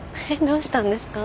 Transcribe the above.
どうしたんですか？